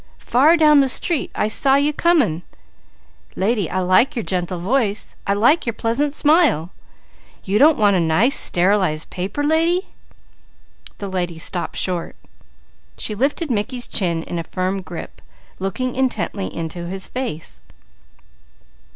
Far down the street I saw you coming. Lady, I like your gentle voice. I like your pleasant smile! You don't want a nice sterilized paper? lady." The lady stopped short; she lifted Mickey's chin in a firm grip, looking intently into his face.